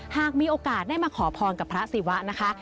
หากมีโอกาสได้มาขอพรกับพระศิวะนะคะ